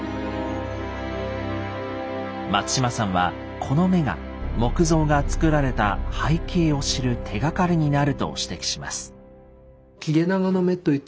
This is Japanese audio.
松島さんはこの目が木像が造られた背景を知る手がかりになると指摘します。